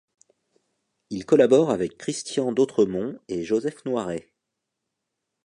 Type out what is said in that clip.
Il collabore avec Christian Dotremont et Joseph Noiret.